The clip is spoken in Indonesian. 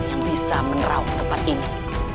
yang bisa menerau tempat ini